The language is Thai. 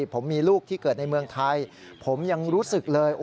ผมมีลูกที่เกิดในเมืองไทยผมยังรู้สึกเลย